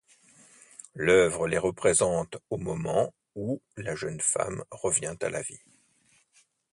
L'œuvre les représente au moment où la jeune femme revient à la vie.